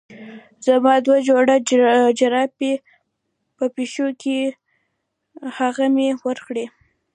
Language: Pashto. زما دوه جوړه جرابې په پښو وې هغه مې ورکړې.